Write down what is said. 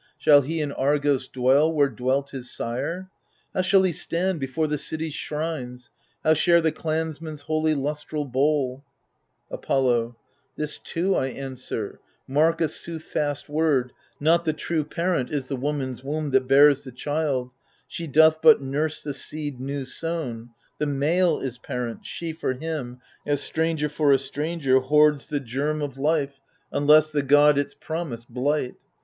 Shall he in Argos dwell, where dwelt his sire ? How shall he stand before the city's shrines. How share the clansmen's holy lustra! bowl Apollo This too I answer ; mark a soothfast word Not the true parent is the woman's womb That bears the child ; she doth but nurse the seed New sown : the male is parent ; she for him, As stranger for a stranger, hoards the germ i66 THE FURIES Of life, unless the god its promise blight.